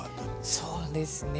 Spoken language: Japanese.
そうですね。